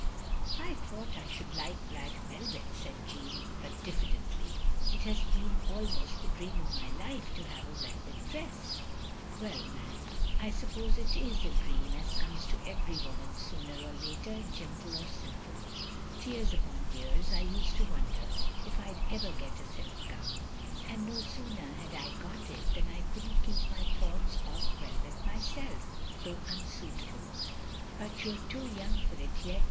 " "I thought I should like black velvet," said Jeanne, but diffidently. "It has been almost the dream of my life to have a velvet dress. "" Well, 'm, I suppose it *s a dream as comes to every woman sooner or later, gentle or simple. Years upon years I used to wonder if I *d ever get a silk gown; and no sooner had I got it, than I could n't keep my thoughts off velvet myself, though unsuitable. But you 're too young for it yet.